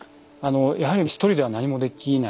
やはり一人では何もできないんです。